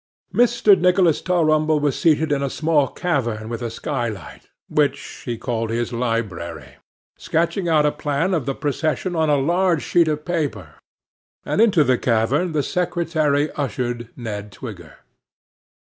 Mr. Nicholas Tulrumble was seated in a small cavern with a skylight, which he called his library, sketching out a plan of the procession on a large sheet of paper; and into the cavern the secretary ushered Ned Twigger.